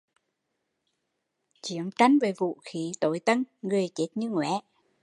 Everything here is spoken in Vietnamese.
Chiến tranh với vũ khi tối tân, người chết như ngóe